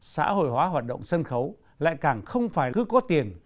xã hội hóa hoạt động sân khấu lại càng không phải cứ có tiền